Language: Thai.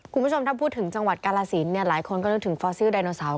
คุณผู้ชมถ้าพูดถึงจังหวัดกาลสินหลายคนก็นึกถึงฟอสซิลไดโนเสาร์